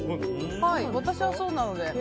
私はそうなので。